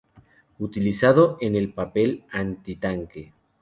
Utilizado en el papel antitanque.